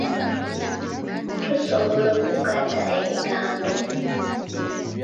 Tusobola okugatta ebigambo.